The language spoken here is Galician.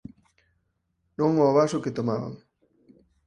Non ó vaso que tomaban.